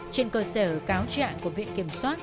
trên cơ sở cáo trạng của viện kiểm soát